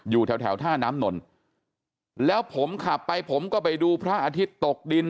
อยู่แถวแถวท่าน้ำนนแล้วผมขับไปผมก็ไปดูพระอาทิตย์ตกดิน